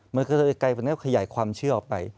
มันก็จะกระยายความเชื่อออกไป